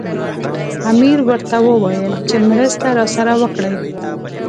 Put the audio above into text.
امیر ورته وویل چې مرسته راسره وکړي.